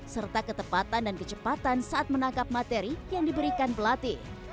serta ketepatan dan kecepatan saat menangkap materi yang diberikan pelatih